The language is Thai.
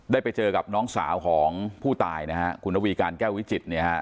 ได้ไปเจอกับน้องสาวของผู้ตายนะฮะคุณระวีการแก้ววิจิตเนี่ยฮะ